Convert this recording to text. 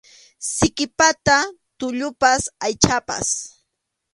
Siki pata tullupas aychapas.